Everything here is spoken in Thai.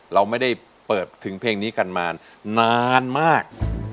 เราไม่ได้เปิดถึงเพลงนี้กันมานานมาก